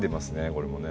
これもね。